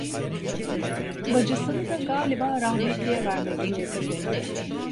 Bacısını da galiba rahmetliye vermek niyetindeydi.